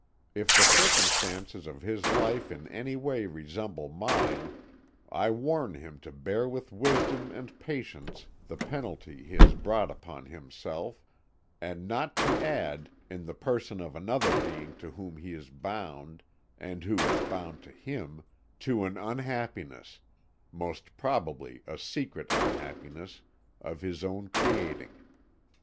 If the circumstances of his life in any way resemble mine, I warn him to bear with wisdom and patience the penalty he has brought upon himself, and not to add, in the person of another being to whom he is bound and who is bound to him, to an unhappiness most probably a secret unhappiness of his own creating.